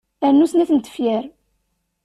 Rnu snat n tefyar.